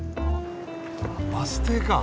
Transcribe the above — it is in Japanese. バス停か。